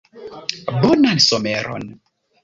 Bonan someron!